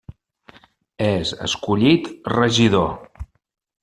És escollit regidor.